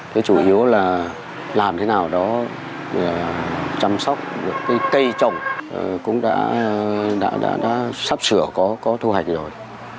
thứ chủ yếu là làm thế nào đó là chăm sóc cây trồng cũng đã sắp sửa có thu hạch rồi